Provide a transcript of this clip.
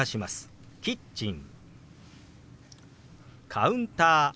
「カウンター」。